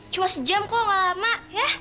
cuma sejam kok lama lama ya